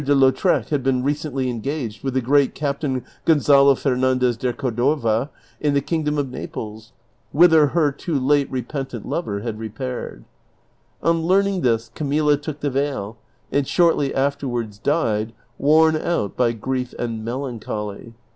de Lautrec had been recently engaged with tlie Great Captain Gonzalo Fernandez de Cordova ' in the kingdom of Naples, whither her too late repentant lover had repaired. On learning this Camilla took the veil, and shortly afterwards died, worn out by grief and melancholy.